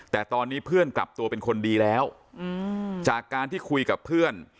แต่ตอนนี้เพื่อนกลับตัวเป็นคนดีแล้วจากการที่คุยกับเพื่อน